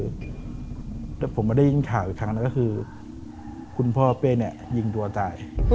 อีกครั้งหนึ่งคือผมไม่ได้ยินถามอีกครั้งหนึ่งคุณพ่อเป๊ย์ยิงตัวตาย